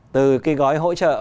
từ cái gói hỗ trợ